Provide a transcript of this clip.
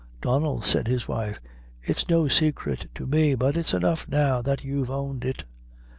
"Donnel," said the wife, "it's no saicret to me; but it's enough now that you've owned it.